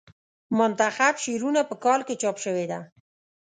منتخب شعرونه په کال کې چاپ شوې ده.